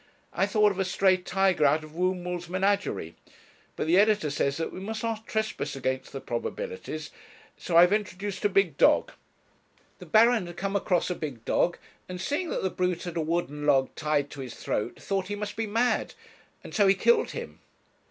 I thought of a stray tiger out of Wombwell's menagerie; but the editor says that we must not trespass against the probabilities; so I have introduced a big dog. The Baron had come across a big dog, and seeing that the brute had a wooden log tied to his throat, thought he must be mad, and so he killed him.'